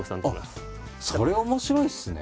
それ面白いですね。